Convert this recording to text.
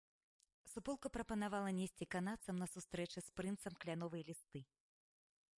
Суполка прапанавала несці канадцам на сустрэчы з прынцам кляновыя лісты.